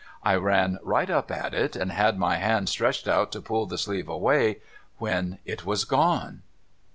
I ran right up at it, and had my hand stretched out to pull the sleeve away, when it was gone.'